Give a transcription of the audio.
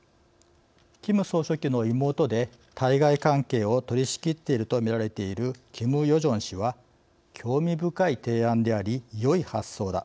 キム総書記の妹で対外関係を取り仕切っていると見られているキム・ヨジョン氏は「興味深い提案でありよい発想だ。